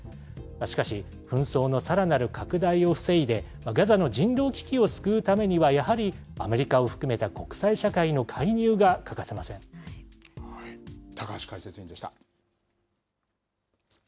しかし、紛争のさらなる拡大を防いで、ガザの人道危機を救うためには、やはりアメリカを含めた国際社会高橋解説委員でした。